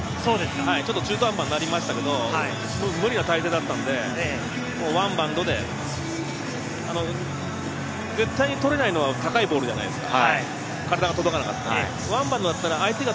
中途半端になりましたけど、無理な体勢だったんで、ワンバウンドで絶対に捕れないのは高いボールじゃないですか。